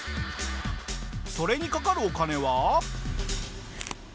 それにかかるお金は。